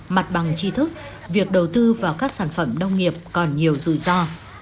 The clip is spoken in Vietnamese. mặt bằng chi thức việc đầu tư vào các sản phẩm nông nghiệp còn nhiều rủi ro